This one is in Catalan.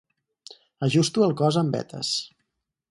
Ajusto al cos amb vetes.